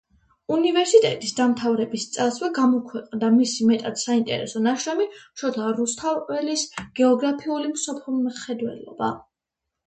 უნივერსიტეტის დამთავრების წელსვე გამოქვეყნდა მისი მეტად საინტერესო ნაშრომი: „შოთა რუსთაველის გეოგრაფიული მსოფლმხედველობა“.